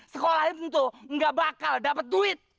sekolah itu tuh nggak bakal dapat duit